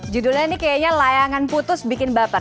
judulnya ini kayaknya layangan putus bikin baper